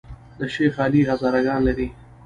د شیخ علي هزاره ګان لري